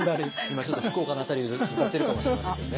今ちょっと福岡の辺りで歌ってるかもしれませんけどね。